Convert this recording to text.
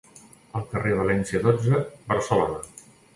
A Carrer València dotze, Barcelona.